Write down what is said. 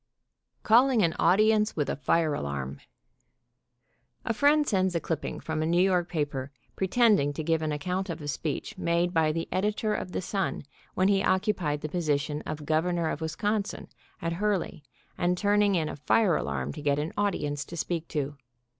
CALLING AN AUDIENCE WITH A FIRE ALARM. A friend sends a clipping from a New York paper, pretending to give an account of a speech made by the editor of The Sun when he occupied the position CALLING AN AUDIENCE WITH A FIRE ALARM 105 of Governor of Wisconsin, at Hurley, and turning in a fire alarm to get an audience to speak to.